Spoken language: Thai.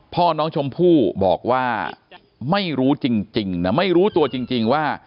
พ่อน้องชมพู่บอกว่าไม่รู้จริงนะไม่รู้ตัวจริงว่า